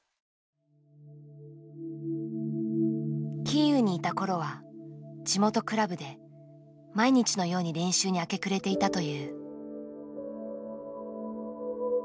キーウにいた頃は地元クラブで毎日のように練習に明け暮れていたという。